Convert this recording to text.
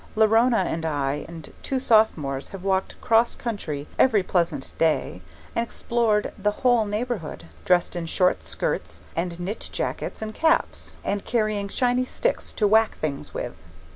Leonora and I and two Sophomores have walked 'cross country every pleasant day and explored the whole neighbourhood, dressed in short skirts and knit jackets and caps, and carrying shiny sticks to whack things with.